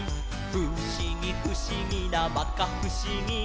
「ふしぎふしぎなまかふしぎ」